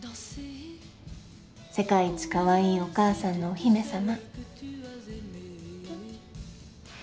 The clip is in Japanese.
世界一可愛いお母さんのお姫様。